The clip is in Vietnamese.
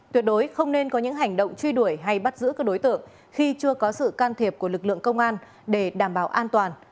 tuyệt đối không nên có những hành động truy đuổi hay bắt giữ các đối tượng khi chưa có sự can thiệp của lực lượng công an để đảm bảo an toàn